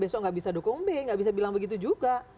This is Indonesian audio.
besok tidak bisa dokong b tidak bisa bilang begitu juga